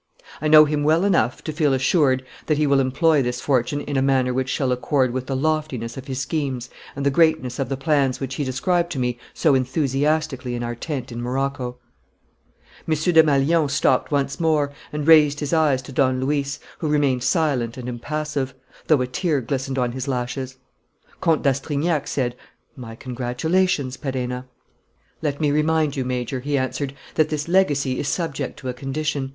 I know him well enough to feel assured that he will employ this fortune in a manner which shall accord with the loftiness of his schemes and the greatness of the plans which he described to me so enthusiastically in our tent in Morocco." M. Desmalions stopped once more and raised his eyes to Don Luis, who remained silent and impassive, though a tear glistened on his lashes. Comte d'Astrignac said: "My congratulations, Perenna." "Let me remind you, Major," he answered, "that this legacy is subject to a condition.